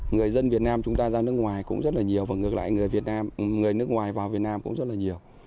người dân việt nam chúng ta ra nước ngoài cũng rất là nhiều và ngược lại người nước ngoài vào việt nam cũng rất là nhiều